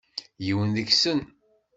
Yiwen deg-sen.